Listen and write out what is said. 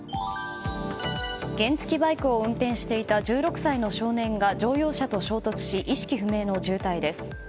原付きバイクを運転していた１６歳の少年が乗用車と衝突し意識不明の重体です。